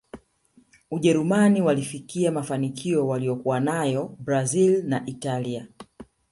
ujerumani walifikia mafanikio waliyokuwa nayo brazil na italia